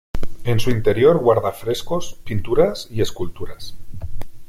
En su interior guarda frescos, pinturas y esculturas.